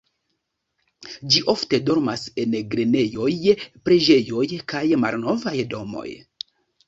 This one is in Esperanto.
Ĝi ofte dormas en grenejoj, preĝejoj kaj malnovaj domoj.